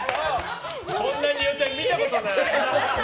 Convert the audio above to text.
こんなによちゃみ見たことない。